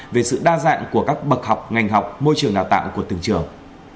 về sự đa dạng của các bậc học ngành học môi trường đào tạo của từng trường